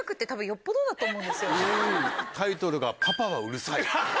タイトルが『パパうるさい』。